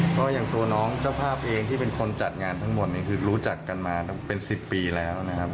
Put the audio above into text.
ก็อย่างตัวน้องเจ้าภาพเองที่เป็นคนจัดงานทั้งหมดเนี่ยคือรู้จักกันมาเป็น๑๐ปีแล้วนะครับ